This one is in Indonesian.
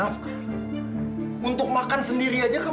kamu kan bukan bagian keluarga yos